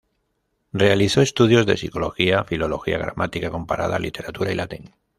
Realizó estudios de psicología, filología, gramática comparada, literatura y latín.